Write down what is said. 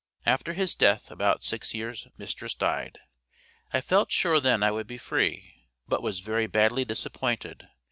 After his death about six years mistress died. I felt sure then I would be free, but was very badly disappointed.